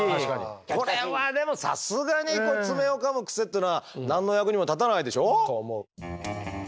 これはでもさすがに爪をかむクセってのは何の役にも立たないでしょ？と思う。